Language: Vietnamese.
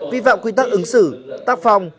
vi phạm quy tắc ứng xử tác phòng